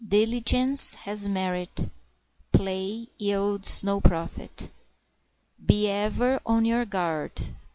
Diligence has merit; play yields no profit; Be ever on your guard!